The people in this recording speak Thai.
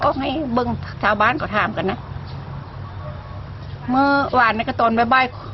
พอที่เรามาสาวบ้านก็ถามกันนะเมื่อวานหลายตอนบ้าย